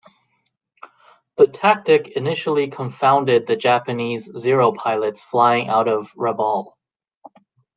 The tactic initially confounded the Japanese Zero pilots flying out of Rabaul.